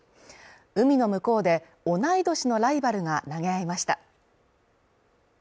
海の向こうで同い年のライバルが投げ合いました。